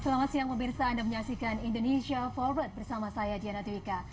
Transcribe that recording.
selamat siang pemirsa anda menyaksikan indonesia forward bersama saya diana twika